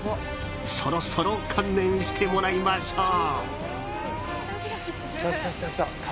そろそろ観念してもらいましょう。